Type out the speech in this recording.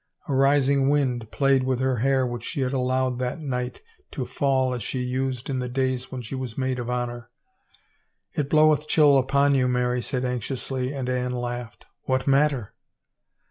A rising wind played with her hair which she had allowed that night to fall as she used in the days when she was maid of honor. " It bloweth chill upon you," Mary said anxiously and Anne laughed. "What matter?"